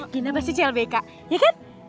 gina pasti clbk ya kan